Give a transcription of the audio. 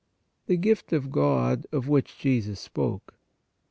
THE GIFT OF GOD OF WHICH JESUS SPOKE.